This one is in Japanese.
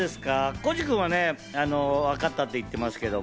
浩次君はね、わかったって言ってますけど。